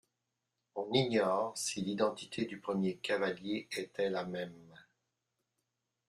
On ignore si l'identité du premier cavalier était la même.